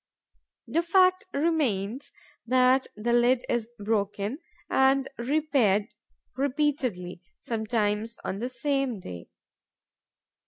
The fact remains that the lid is broken and repaired repeatedly, sometimes on the same day.